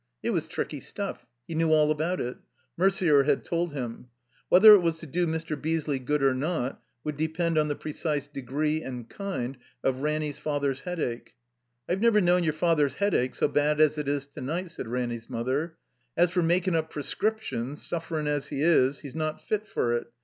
It was tricky stuff. He knew all about it; Merder had told him. Whether it was to do Mr. Beesley good or not would depend on the precise degree and kind of Ranny's father's Headache. "I've never known your father's Headache so bad as it is to night," said Ranny's mother. "As for makin' up prescriptions, suflerin' as He is, He's not fit for it.